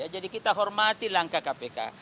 jadi kita hormati langkah kpk